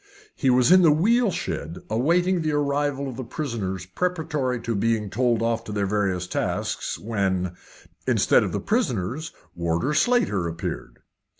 He was in the wheel shed, awaiting the arrival of the prisoners preparatory to being told off to their various tasks, when, instead of the prisoners, Warder Slater appeared.